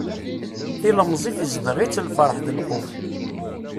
Tilemẓit izdeɣ-itt lferḥ d lxuf.